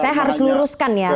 saya harus luruskan ya